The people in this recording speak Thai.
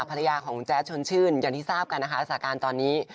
ภรรยาของแจ๊ดชนชื่นอย่างที่ทราบกันนะคะสาการตอนนี้